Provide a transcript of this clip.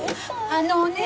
あのねぇ。